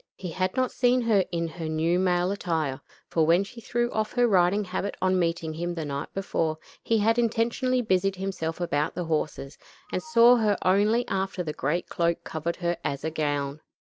He had not seen her in her new male attire, for when she threw off her riding habit on meeting him the night before, he had intentionally busied himself about the horses, and saw her only after the great cloak covered her as a gown.